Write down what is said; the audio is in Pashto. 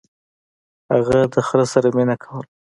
هغه د خر سره مینه کوله.